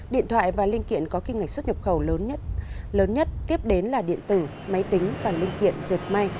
điện thoại và linh kiện có kinh ngạch xuất nhập khẩu lớn nhất tiếp đến là điện tử máy tính và linh kiện dệt may